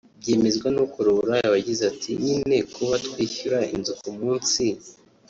Byemezwa n’ukora uburaya wagize ati “Nyine kuba twishyura inzu ku munsi